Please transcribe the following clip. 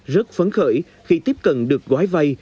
rất phấn khởi khi tiếp cận được gói vay